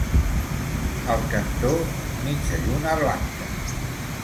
Al cantó mitja lluna blanca.